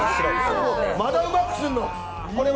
まだうまくするの？